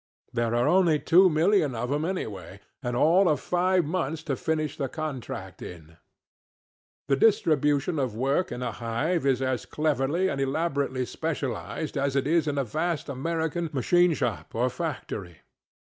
There are only two million of them, anyway, and all of five months to finish the contract in. The distribution of work in a hive is as cleverly and elaborately specialized as it is in a vast American machine shop or factory.